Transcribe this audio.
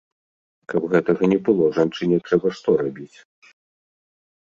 Каб гэтага не было, жанчыне трэба што рабіць?